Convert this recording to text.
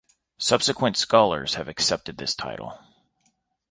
Subsequent scholars have accepted this title.